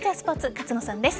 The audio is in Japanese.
勝野さんです。